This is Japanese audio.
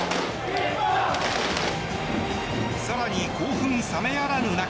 更に興奮冷めやらぬ中